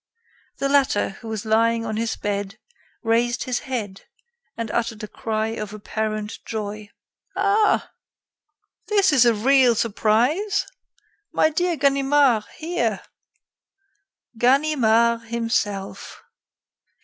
The latter, who was lying on his bed, raised his head and uttered a cry of apparent joy. "Ah! This is a real surprise. My dear Ganimard, here!" "Ganimard himself."